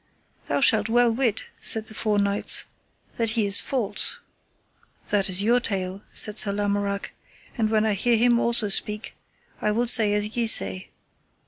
Thou shalt well wit, said the four knights, that he is false. That is your tale, said Sir Lamorak, and when I hear him also speak, I will say as ye say.